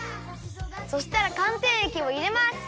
そしたらかんてんえきをいれます。